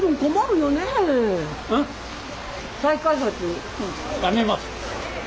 やめます。